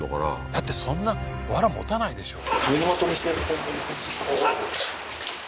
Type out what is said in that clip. だってそんなワラもたないでしょ